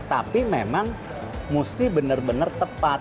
tapi memang mesti benar benar tepat